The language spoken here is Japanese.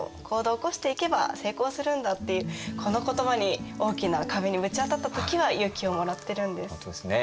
行動を起こしていけば成功するんだっていうこの言葉に大きな壁にぶち当たった時は勇気をもらってるんです。